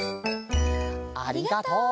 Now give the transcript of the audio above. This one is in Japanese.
ありがとう！